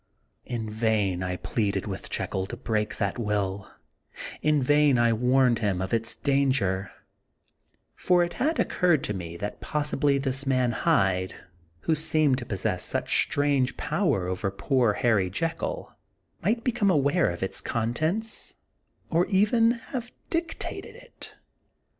In vain I pleaded with Jekyll to break that will ; in vain I warned him of its dan ger, for it had occurred to me that possibly 8 The Untold Sequel of this man Hyde, who seemed to possess such strange power over poor Harry Jekyll, might become aware of its contents, or even might have dictated it